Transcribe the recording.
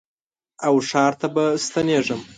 او ښار ته به ستنېږم